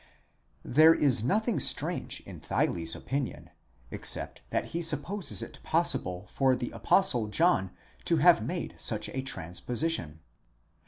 There is nothing strange in Theile's opinion, except that he supposes it pos sible for the Apostle John to have made such a transposition.